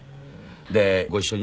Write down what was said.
でご一緒にね